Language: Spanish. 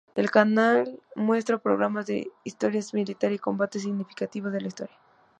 El canal muestra programas de historia militar y de combates significativos de la historia.